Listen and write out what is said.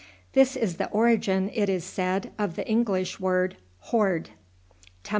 This is the origin, it is said, of the English word horde.